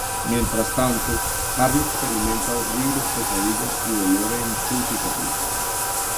Mientras tanto, Harry experimenta horribles pesadillas y dolor en su cicatriz.